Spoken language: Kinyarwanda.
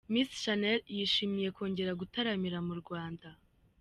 Miss Shanel yishimiye kongera gutaramira mu Rwanda.